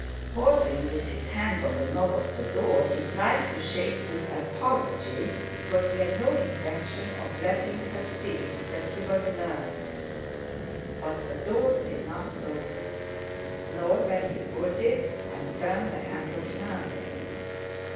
Pausing, with his hand on the knob of the door, he tried to shape his apology, for he had no intention of letting her see that he was nervous. But the door did not open, nor when he pulled it and turned the handle firmly.